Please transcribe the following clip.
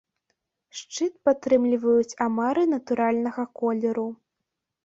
Шчыт падтрымліваюць амары натуральнага колеру.